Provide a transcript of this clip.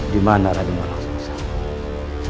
dimana raden walang susah